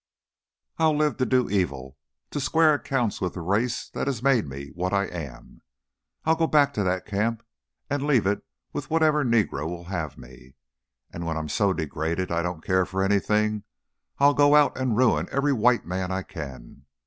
I'll live to do evil, to square accounts with the race that has made me what I am. I'll go back to that camp, and leave it with whatever negro will have me, and when I'm so degraded I don't care for anything, I'll go out and ruin every white man I can.